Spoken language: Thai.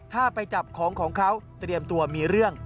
ถ้าไปจับของของเขาเตรียมตัวมีเรื่อง